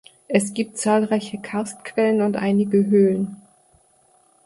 Es gibt zahlreiche Karstquellen und einige Höhlen.